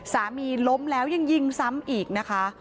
ล้มแล้วยังยิงซ้ำอีกนะคะ